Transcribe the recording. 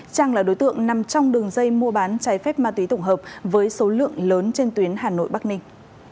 trang là đối tượng nằm trong đường dây mua bán trái phép ma túy tổng hợp với số lượng lớn trên tuyến hà nội bắc ninh